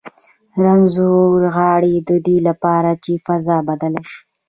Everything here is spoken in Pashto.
رنځور غاړي د دې لپاره چې فضا بدله شي.